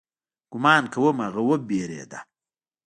ګومان کوم هغه وېرېده.